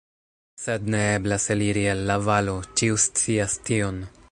Sed ne eblas eliri el la valo, ĉiu scias tion.